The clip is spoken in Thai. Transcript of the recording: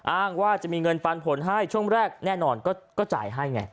อ้างว่าจะมีเงินปันผลให้ช่วงแรกแน่นอนก็จ่ายให้ไง